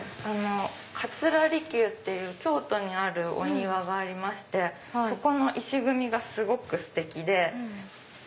桂離宮っていう京都にあるお庭がありましてそこの石組みがすごくステキで。